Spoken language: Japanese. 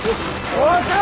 どうした！